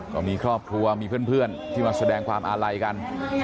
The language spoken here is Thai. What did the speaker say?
ก็มีครอบครัวมีเพื่อนที่มาแสดงความอาลัยกัน